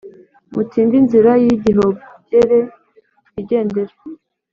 Mutinde inzira y igihogere twigendere